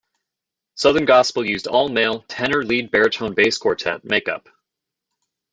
Southern gospel used all male, tenor-lead-baritone-bass quartet make-up.